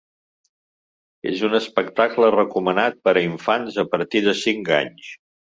És un espectacle recomanat per a infants a partir de cinc anys.